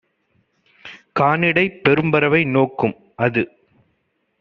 கானிடைப் பெரும்பறவை நோக்கும் - அது